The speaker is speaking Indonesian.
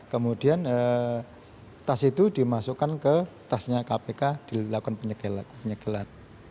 kemudian tas itu dimasukkan ke tasnya kpk dilakukan penyegelan